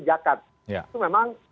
jakat itu memang